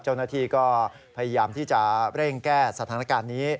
เจ้าหน้าที่ก็พยายามที่จะเร่งแก้สถานการณ์นี้